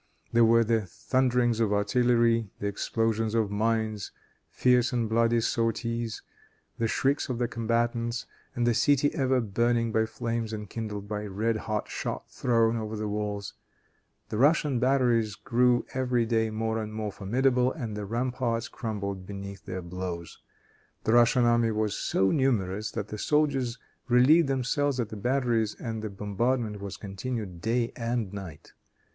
There were the thunderings of artillery, the explosion of mines, fierce and bloody sorties, the shrieks of the combatants, and the city ever burning by flames enkindled by red hot shot thrown over the walls. The Russian batteries grew every day more and more formidable, and the ramparts crumbled beneath their blows. The Russian army was so numerous that the soldiers relieved themselves at the batteries, and the bombardment was continued day and night.